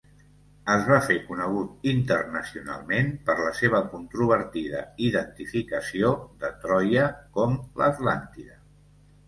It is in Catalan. Es va fer conegut internacionalment per la seva controvertida identificació de Troia com l'Atlàntida.